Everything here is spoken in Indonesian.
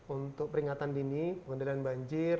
untuk peringatan dini pengendalian banjir